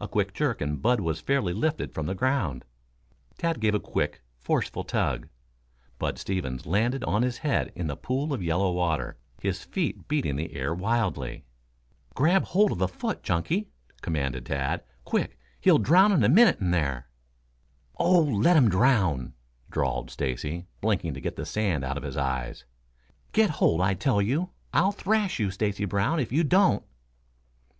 A quick jerk and Bud was fairly lifted from the ground. Tad gave a quick, forceful tug. Bud Stevens landed on his head in the pool of yellow water, his feet beating the air wildly. [Illustration: Bud Stevens Landed on His Head in the Pool of Yellow Water] "Grab hold of a foot, Chunky!" commanded Tad. "Quick! He'll drown in a minute in there." "Oh, let 'im drown," drawled Stacy, blinking to get the sand out of his eyes. "Get hold, I tell you! I'll thrash you, Stacy Brown, if you don't!"